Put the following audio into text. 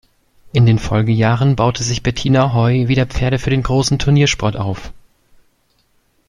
In den Folgejahren baute sich Bettina Hoy wieder Pferde für den großen Turniersport auf.